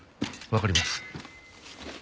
わかりますね？